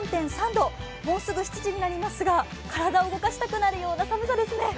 もうすぐ７時になりますが、体を動かしたくなるような寒さですね。